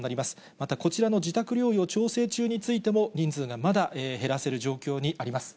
またこちらの自宅療養・調整中についても、人数がまだ減らせる状況にあります。